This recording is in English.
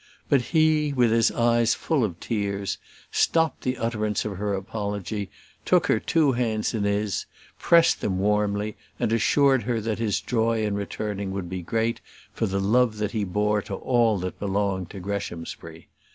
But he, with his eyes full of tears, stopped the utterance of her apology, took her two hands in his, pressed them warmly, and assured her that his joy in returning would be great, for the love that he bore to all that belonged to Greshamsbury.